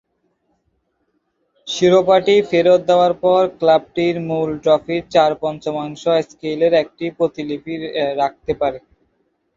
শিরোপাটি ফেরত দেওয়ার পর, ক্লাবটি মূল ট্রফির চার-পঞ্চমাংশ স্কেলের একটি প্রতিলিপি রাখতে পারে।